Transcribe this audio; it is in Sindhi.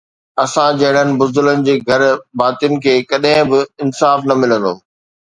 اسان جهڙن بزدلن جي گهر ڀاتين کي ڪڏهن به انصاف نه ملندو